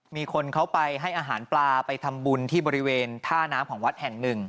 มีคนเขาไปให้อาหารปลาไปทำบุญที่บริเวณท่าน้ำของวัดแห่งหนึ่ง